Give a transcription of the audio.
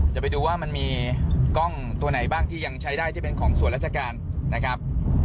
จะไปดูว่ามันมีกล้องตัวไหนบ้างที่ยังใช้ได้ที่เป็นของส่วนราชการนะครับ